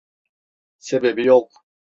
Sebebi yok.